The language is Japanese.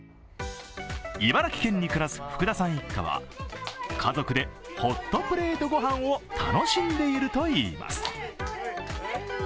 茨城県に暮らす福田さん一家は家族でホットプレート御飯を楽しんでいるといいます。